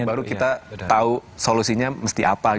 baru kita tau solusinya mesti apa gitu